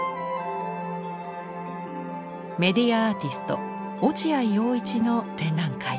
メディアアーティスト落合陽一の展覧会。